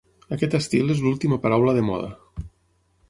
Aquest estil és l'última paraula de moda.